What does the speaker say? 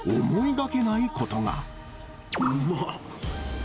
うまっ。